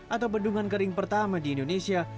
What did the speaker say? atau bendungan kering pertama di indonesia